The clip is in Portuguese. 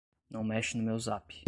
Não mexe no meu zap